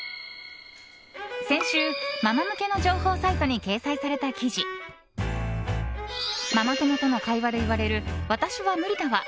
先週、ママ向けの情報サイトに掲載された記事ママ友との会話で言われる「私は無理だわ」。